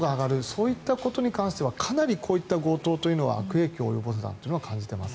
そういったことに関してはかなりこういった強盗というのは悪影響を及ぼすと感じています。